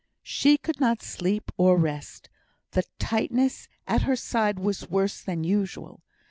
She could not sleep or rest. The tightness at her side was worse than usual.